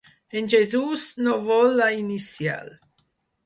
En Jesús no vol la inicial.